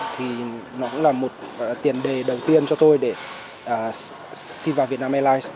thì nó cũng là một tiền đề đầu tiên cho tôi để xin vào việt nam airlines